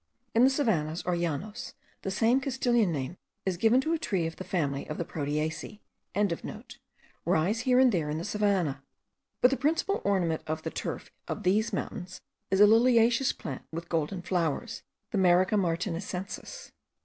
In the savannahs, or llanos, the same Castilian name is given to a tree of the family of the proteaceae.) rise here and there in the savannah. But the principal ornament of the turf of these mountains is a liliaceous plant with golden flowers, the Marica martinicensis.